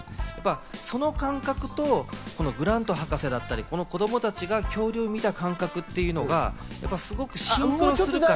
その感覚とグラント博士だったり、子供たちが恐竜を見た感覚というのがシンクロするから。